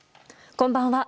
こんばんは。